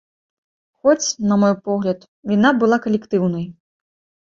Хоць, на мой погляд, віна была калектыўнай.